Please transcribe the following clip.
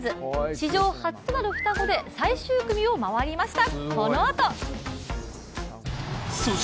史上初となる双子で最終組を回りました。